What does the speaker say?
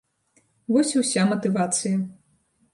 Вось і ўся матывацыя.